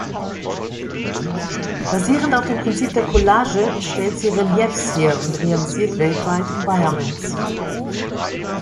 Basierend auf dem Prinzip der Collage stellt sie Reliefs her und realisiert weltweit Environments.